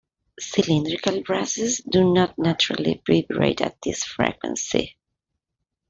Cylindrical brasses do not naturally vibrate at this frequency.